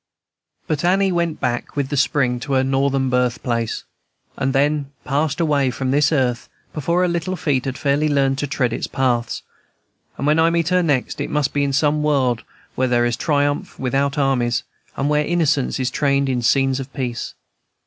But Annie went back, with the spring, to her Northern birthplace, and then passed away from this earth before her little feet had fairly learned to tread its paths; and when I meet her next it must be in some world where there is triumph without armies, and where innocence is trained in scenes of peace.